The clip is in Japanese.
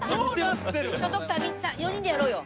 徳さん皆さん４人でやろうよ。